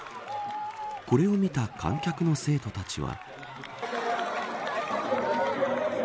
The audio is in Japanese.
これを見た観客の生徒たちは。